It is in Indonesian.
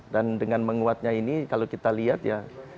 dan dengan menguatnya ini kalau kita lihat ya